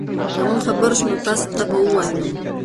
که موږ خبر شو نو تاسي ته به ووایو.